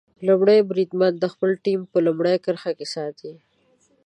لومړی بریدمن د خپله ټیم په لومړۍ کرښه کې ساتي.